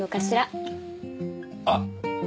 あっ。